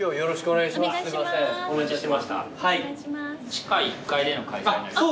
地下１階での開催になります。